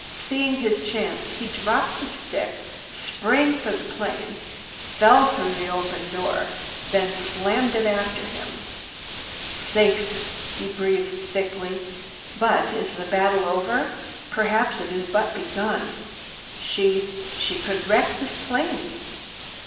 Seeing his chance he dropped the stick, sprang for the plane, fell through the opening then slammed the door after him. "Safe!" he breathed thickly. "But is the battle over? Perhaps it has but begun. She—she could wreck this plane."